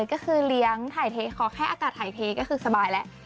ก็คือเลี้ยงถ่ายเทขอแค่อากาศถ่ายเทก็คือสบายแล้ว